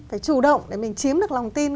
phải chủ động để mình chiếm được lòng tin